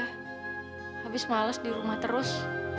habis males di rumah terus